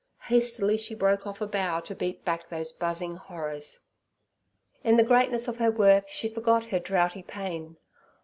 Hastily she broke off a bough to beat back those buzzing horrors. In the greatness of her work she forgot her droughty pain.